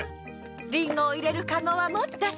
リンゴを入れるカゴは持ったし。